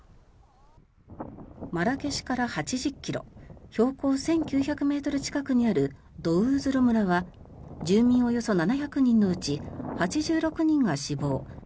マラケシュから８０ｋｍ標高１９００ｍ近くにあるドウーズロ村は住民およそ７００人のうち８６人が死亡。